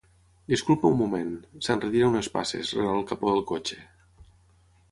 Disculpi un moment —s'enretira unes passes, rere el capó del cotxe.